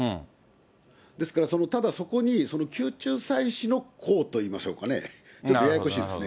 ですから、ただそこに、宮中祭祀の公といいましょうかね、ちょっとややこしいですね。